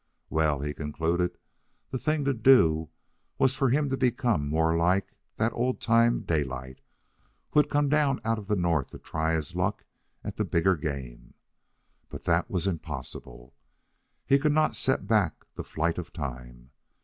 Well, he concluded, the thing to do was for him to become more like that old time Daylight who had come down out of the North to try his luck at the bigger game. But that was impossible. He could not set back the flight of time.